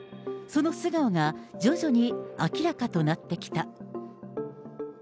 その素顔が徐々に明らかとなってきた。